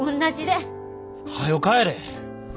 はよ帰れ！